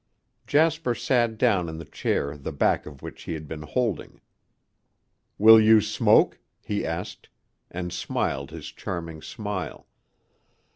Jasper sat down in the chair the back of which he had been holding. "Will you smoke?" he asked, and smiled his charming smile.